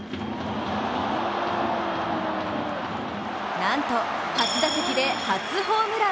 なんと初打席で初ホームラン。